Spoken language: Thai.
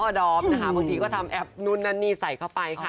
จ้าวอดอล์ปนะคะพอทีก็ทำแอปนู้นนานีใส่เข้าไปค่ะ